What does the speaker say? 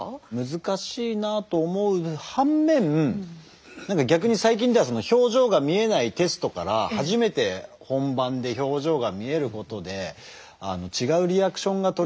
難しいなと思う反面逆に最近では表情が見えないテストから初めて本番で表情が見えることで違うリアクションがとれるみたいな。